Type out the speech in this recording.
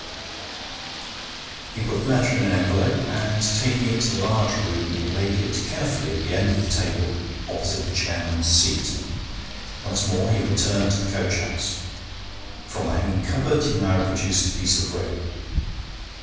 He put the letter in an envelope, and, taking it to the large room, laid it carefully at the end of the table opposite the chairman's seat. Once more he returned to the coach house. From the hanging cupboard he now produced a piece of rope.